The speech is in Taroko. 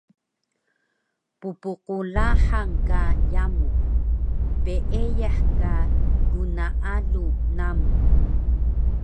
Ppqlahang ka yamu, peeyah ka gnaalu namu